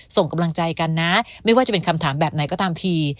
ส่งกำลังใจกันนะไม่ว่าจะเป็นคำถามแบบไหนก็ตามที